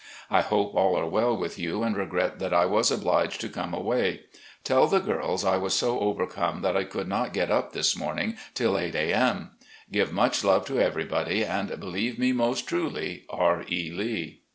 I hope all are well with you, and regret that I was obliged to come away. TeU the girls I was so overcome that I could not get up this morning till 8:00 A. m. Give much love to everybody, and believe me most truly, "R. E. Leb."